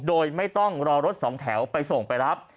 โดยไม่ต้องรอรถสองแถวไปส่งไปรับ